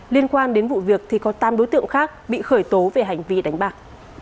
liên quan đến vụ việc thì có tám đối tượng khác bị khởi tố về hành vi đánh bạc